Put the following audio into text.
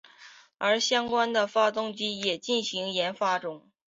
而相关的发动机也进行研发中。